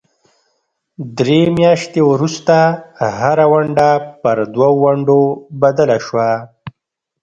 درې میاشتې وروسته هره ونډه پر دوو ونډو بدله شوه.